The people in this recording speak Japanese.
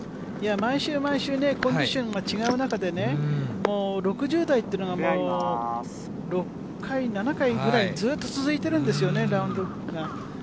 毎週、毎週ね、コンディションが違う中でね、もう６０台っていうのが、６回、７回ぐらい、ずっと続いてるんですよね、ラウンドが。